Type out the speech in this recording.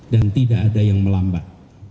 dan tidak ada yang melambat